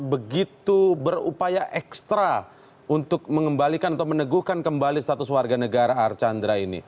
begitu berupaya ekstra untuk mengembalikan atau meneguhkan kembali status warga negara archandra ini